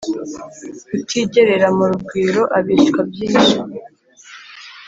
• utigerera mu rugwiro abeshywa byinshi